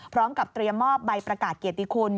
พร้อมกับเตรียมมอบใบประกาศเกียรติคุณ